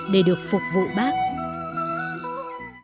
để được phục vụ bác